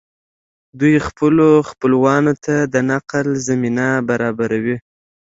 دوی خپلو خپلوانو ته د نقل زمینه برابروي